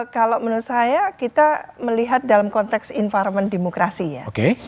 kalau menurut saya kita melihat dalam konteks environment demokrasi ya